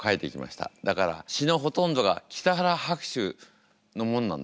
だから詞のほとんどが北原白秋のものなんですよ。